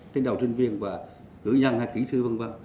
thì đầu trình viên và ngữ nhân hay kỹ sư v v